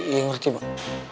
iya ngerti mak